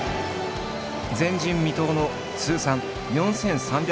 前人未到の通算４，３００勝以上。